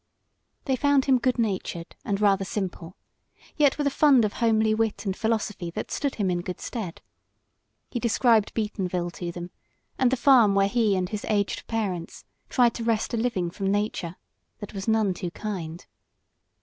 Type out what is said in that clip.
They found him good natured and rather simple, yet with a fund of homely wit and philosophy that stood him in good stead. He described Beatonville to them, and the farm where he and his aged parents tried to wrest a living from nature that was none too kind.